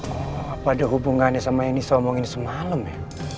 oh apa ada hubungannya sama yang nisa omongin semalam ya